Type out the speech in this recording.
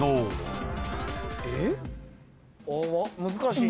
難しいね。